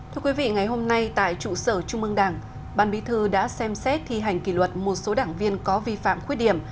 thưa quý vị ngày hôm nay tại trụ sở trung mương đảng ban bí thư đã xem xét thi hành kỷ luật một số đảng viên có vi phạm khuyết điểm